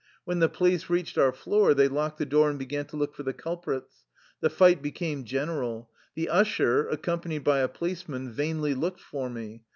When the police reached our floor, they locked the door and began to look for the cul prits. The fight became general. The usher, accompanied by a policeman, vainly looked for me.